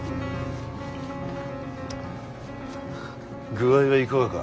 具合はいかがか。